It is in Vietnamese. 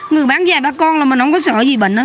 người bán dài ba con là mình không có sợ gì bệnh á